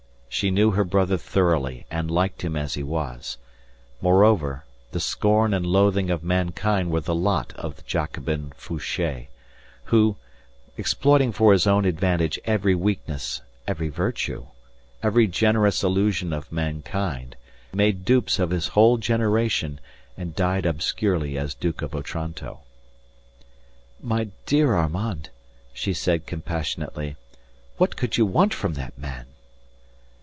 She knew her brother thoroughly and liked him as he was. Moreover, the scorn and loathing of mankind were the lot of the Jacobin Fouché, who, exploiting for his own advantage every weakness, every virtue, every generous illusion of mankind, made dupes of his whole generation and died obscurely as Duke of Otranto. "My dear Armand," she said compassionately, "what could you want from that man?"